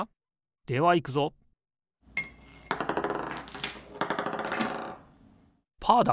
ではいくぞパーだ！